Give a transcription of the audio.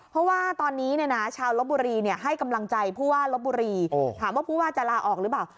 เพราะว่าตอนนี้ชาวลบบุรีให้กำลังใจผู้ว่าลบบุรีถามว่าผู้ว่าจะลาออกหรือเปล่า